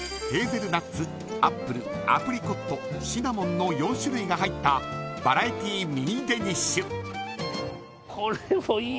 ヘーゼルナッツ、アップルアプリコット、シナモンの４種類が入ったバラエティーミニデニッシュ。